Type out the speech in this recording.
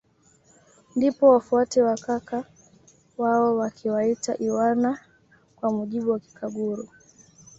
Ndipo wafuate wa kaka wao wakiwaita iwana kwa mujibu wa kikaguru